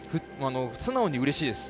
素直にうれしいです。